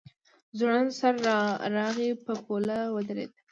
ځوړند سر راغی په پوله ودرېد.